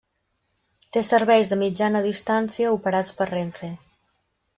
Té serveis de mitjana distància operats per Renfe.